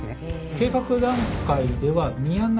計画段階では宮仲。